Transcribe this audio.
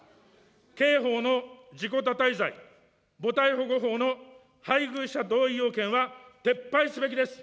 刑法の自己堕胎罪、母体保護法の配偶者同意要件は撤廃すべきです。